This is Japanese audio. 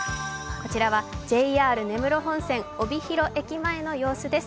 こちらはＪＲ根室本線帯広駅前の様子です。